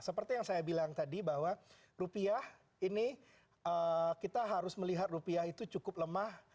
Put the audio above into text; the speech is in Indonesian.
seperti yang saya bilang tadi bahwa rupiah ini kita harus melihat rupiah itu cukup lemah